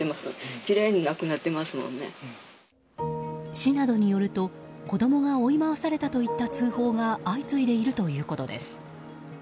市などによると、子供が追い回されたといった通報が相次いでいるということです。